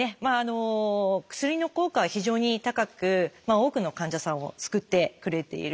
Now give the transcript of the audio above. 薬の効果は非常に高く多くの患者さんを救ってくれている薬です。